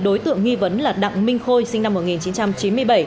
đối tượng nghi vấn là đặng minh khôi sinh năm một nghìn chín trăm chín mươi bảy